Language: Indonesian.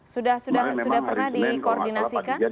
sudah pernah dikoordinasikan